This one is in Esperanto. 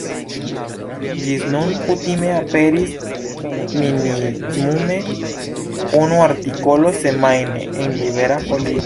Ĝis nun kutime aperis minimume unu artikolo semajne en Libera Folio.